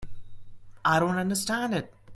I don't understand it.